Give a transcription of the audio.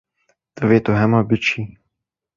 Divê tu hema biçî.